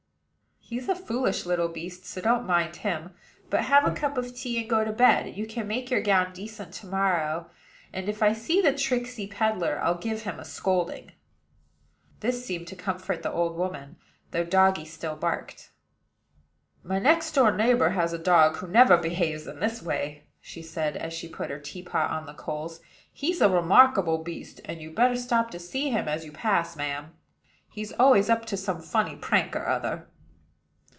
"He's a foolish little beast; so don't mind him, but have a cup of tea, and go to bed. You can make your gown decent to morrow; and, if I see the tricksy peddler, I'll give him a scolding." This seemed to comfort the old woman; though doggy still barked. "My next neighbor has a dog who never behaves in this way," she said, as she put her teapot on the coals. "He's a remarkable beast; and you'd better stop to see him as you pass, ma'am. He's always up to some funny prank or other."